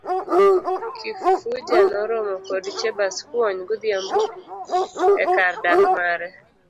kifuja noromo koda Chebaskwony godhiambo ekar dak mare.